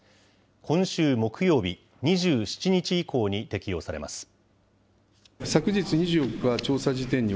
今週木曜日２７日以降に適用されます。